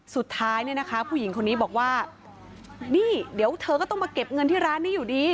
สุดท้ายเนี่ยนะคะผู้หญิงคนนี้บอกว่านี่เดี๋ยวเธอก็ต้องมาเก็บเงินที่ร้านนี้อยู่ดี